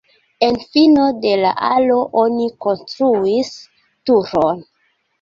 En fino de la alo oni konstruis turon.